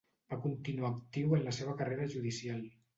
Va continuar actiu en la seva carrera judicial.